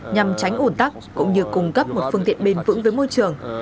nhằm tránh ổn tắc cũng như cung cấp một phương tiện bình thường